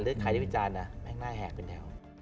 หรือใครที่วิจารณ์มันมาแห่งเป็นแถว